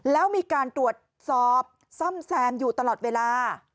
แล้วมีการตรวจสอบซ่อมแซมอยู่ตลอดเวลา